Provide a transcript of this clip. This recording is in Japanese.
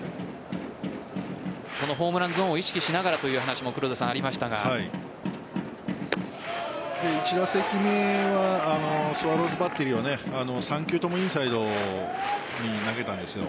そのホームランゾーンを意識しながらという話も１打席目はスワローズバッテリーは３球ともインサイドに投げたんです。